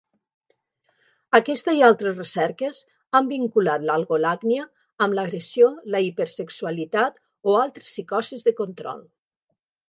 Aquesta i altres recerques han vinculat l'algolagnia amb l'agressió, la hipersexualitat o altres psicosis de control.